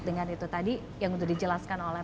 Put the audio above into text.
dengan itu tadi yang untuk dijelaskan oleh